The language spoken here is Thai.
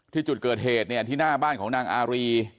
ที่จุดเกิดเหตุที่หน้าบ้านแนวงานของนางอารี